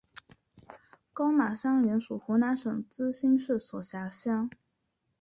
高码乡原属湖南省资兴市所辖乡。